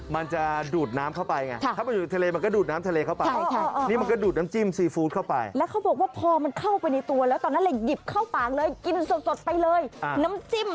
มันจะดูดน้ำเข้าไปไง